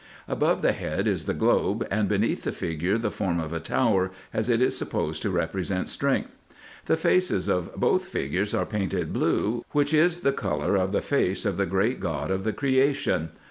Above the head is the globe, and beneath the figure the form of a tower, as it is supposed to represent strength. The faces of both figures are painted blue, which is the colour of the face of the great God of the creation.